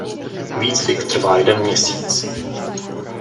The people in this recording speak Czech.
Výcvik trvá jeden měsíc.